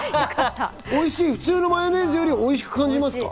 普通のマヨネーズよりおいしく感じますか？